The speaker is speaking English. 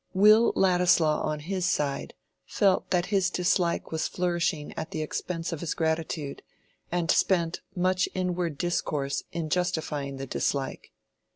Will Ladislaw on his side felt that his dislike was flourishing at the expense of his gratitude, and spent much inward discourse in justifying the dislike.